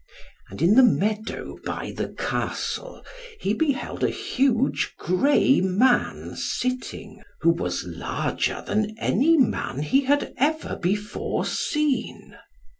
And in the meadow by the Castle he beheld a huge grey man sitting, who was larger than any man he had ever before seen.